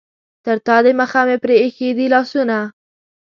تر تا دمخه مې پرې ایښي دي لاسونه.